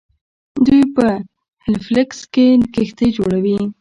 دوی په هیلیفیکس کې کښتۍ جوړوي.